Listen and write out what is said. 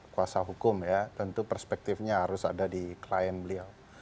kuasa hukum ya tentu perspektifnya harus ada di klien beliau